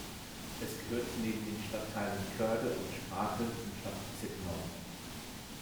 Es gehört neben den Stadtteilen Coerde und Sprakel zum Stadtbezirk Nord.